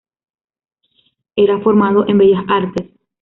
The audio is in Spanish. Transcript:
Era formado en Bellas Artes.